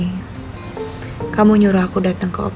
sekarang aku mempunyai kons billing corrupt